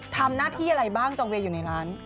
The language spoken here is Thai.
ทำหน้าที่อะไรบ้างจองเวย์อยู่ในร้าน